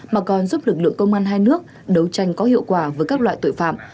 mà còn giúp lực lượng công an hai nước đấu tranh có hiệu quả với các loại tội phạm